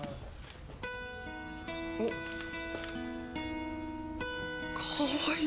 おっかわいい！